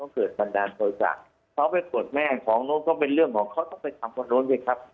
เกิดบันดาลโทษะเขาไปกดแม่ของโน้นก็เป็นเรื่องของเขาต้องไปทำคนนู้นสิครับ